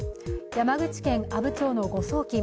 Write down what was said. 山口県阿武町の誤送金。